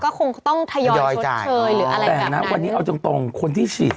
ก็คงต้องทยอยชดเชยหรืออะไรแต่นะวันนี้เอาตรงตรงคนที่ฉีด